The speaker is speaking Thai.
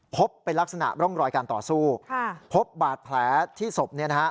พบเป็นลักษณะร่องรอยการต่อสู้พบบาดแผลที่ศพเนี่ยนะฮะ